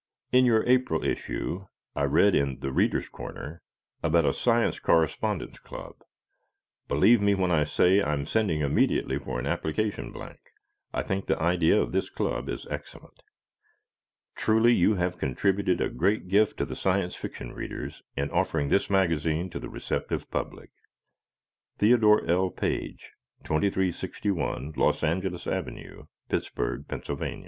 In your April issue I read in "The Readers' Corner" about a Science Correspondence Club. Believe me when I say I'm sending immediately for an application blank. I think the idea of this club is excellent. Truly you have contributed a great gift to Science Fiction readers in offering this magazine to the receptive public. Theodore L. Page, 2361 Los Angeles Ave., Pittsburgh, Pa.